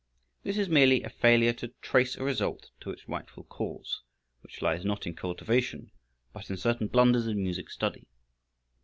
This is merely a failure to trace a result to its rightful cause, which lies not in cultivation, but in certain blunders in music study.